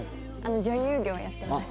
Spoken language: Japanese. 女優業やってます。